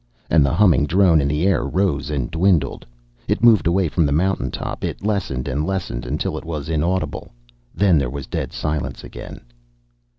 And the humming drone in the air rose and dwindled. It moved away from the mountain top. It lessened and lessened until it was inaudible. Then there was dead silence again.